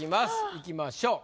いきましょう。